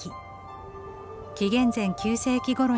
紀元前９世紀ごろに街が出来